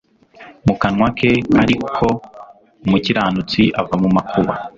mu kanwa ke ariko umukiranutsi ava mu makuba